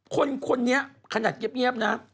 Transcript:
คนนี้ขนาดเงียบนะ